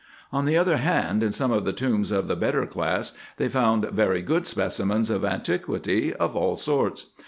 On the other hand, in some of the tombs of the better class they found very good specimens of antiquity, of all sorts.